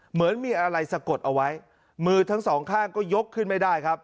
เหมือนมีอะไรสะกดเอาไว้มือทั้งสองข้างก็ยกขึ้นไม่ได้ครับ